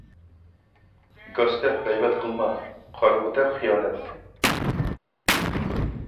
گاس دەپ غەيۋەت قىلما، قارىغۇ دەپ خىيانەت.